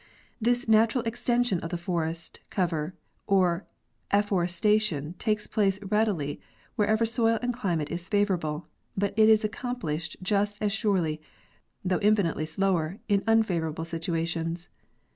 This natural extension of the forest cover or afforestation takes place readily wherever soil and climate is favorable, but it is accomplished just as surely, though infinitely slower, in unfavorable situations.